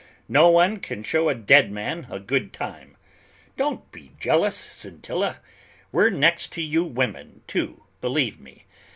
No one can show a dead man a good time. Don't be jealous, Scintilla; we're next to you women, too, believe me.